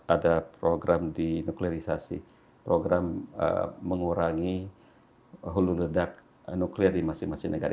ada program dinuklirisasi program mengurangi hulu ledak nuklir